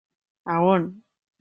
A on?